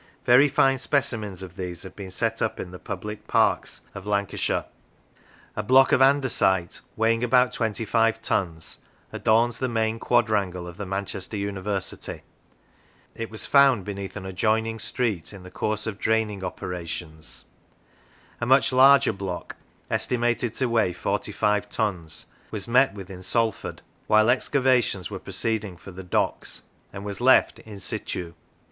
Very fine specimens of these have been set up in the public parks of Lan 33 F. Lancashire cashire. A block of andesite, weighing about twenty five tons, adorns the main quadrangle of the Manchester University; it was found beneath an adjoining street in the course of draining operations; a much larger block, estimated to weigh forty five tons, was met with in Salford, while excavations were proceeding for the docks, and was left in situ.